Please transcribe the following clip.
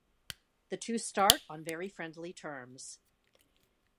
The two start on very friendly terms.